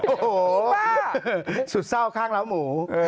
โอ้โหสุดเศร้าข้างล้าหมู